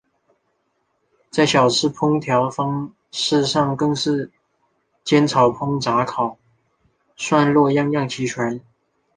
在小吃烹调方式上更是煎炒烹炸烤涮烙样样齐全。